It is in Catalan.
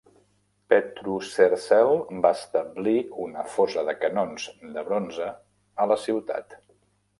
Petru Cercel va establir una fosa de canons de bronze a la ciutat.